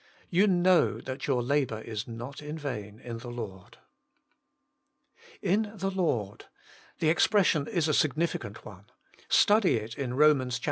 * You knozu that your labour is not vain in the Lord.' 'In the Lord.' The expression is a sig nificant one. Study it in Romans xvi.